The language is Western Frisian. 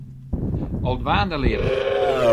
Al dwaande leart men.